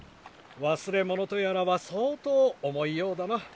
忘れ物とやらは相当重いようだな。